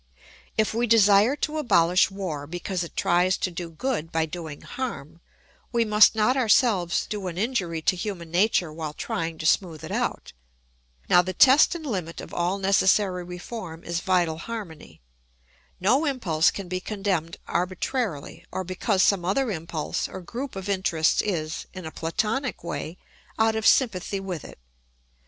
If we desire to abolish war because it tries to do good by doing harm, we must not ourselves do an injury to human nature while trying to smooth it out. Now the test and limit of all necessary reform is vital harmony. No impulse can be condemned arbitrarily or because some other impulse or group of interests is, in a Platonic way, out of sympathy with it.